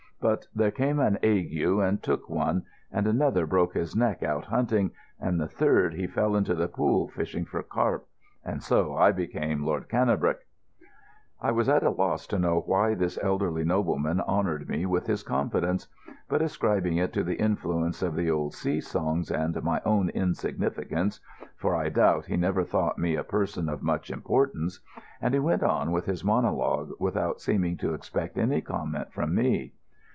But there came an ague and took one; and another broke his neck out hunting; and the third, he fell into the pool fishing for carp; and so I became Lord Cannebrake." I was at a loss to know why this elderly nobleman honoured me with his confidence, but ascribed it to the influence of the old sea songs and my own insignificance, for I doubt he never thought me a person of much importance, and he went on with his monologue without seeming to expect any comment from me.